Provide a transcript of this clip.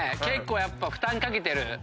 結構やっぱ負担かけてる。